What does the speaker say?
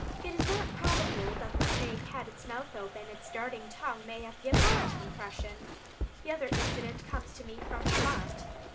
It is not probable that the snake had its mouth open; its darting tongue may have given that impression. The other incident comes to me from Vermont.